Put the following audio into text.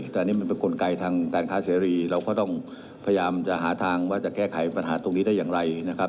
แต่อันนี้มันเป็นกลไกทางการค้าเสรีเราก็ต้องพยายามจะหาทางว่าจะแก้ไขปัญหาตรงนี้ได้อย่างไรนะครับ